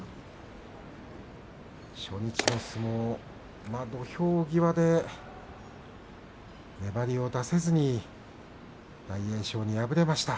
初日の相撲は土俵際で粘りを出せずに大栄翔に敗れました